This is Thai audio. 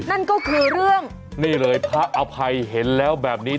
นั่นก็คือเรื่องนี่เลยพระอภัยเห็นแล้วแบบนี้